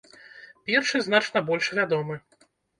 Першы значна больш вядомы.